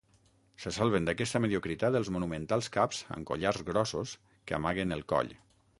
Se salven d'aquesta mediocritat els monumentals caps amb collars grossos que amaguen el coll.